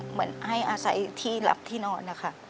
เหมือนให้อาศัยที่หลับที่นอนนะคะ